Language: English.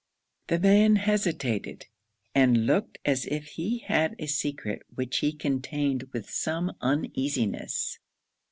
The man hesitated, and looked as if he had a secret which he contained with some uneasiness.